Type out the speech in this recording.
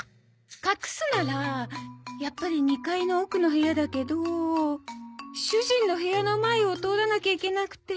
隠すならやっぱり２階の奥の部屋だけど主人の部屋の前を通らなきゃいけなくて。